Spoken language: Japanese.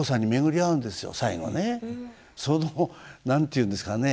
その何て言うんですかね。